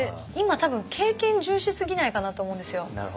今多分経験重視すぎないかなと思うんですよ。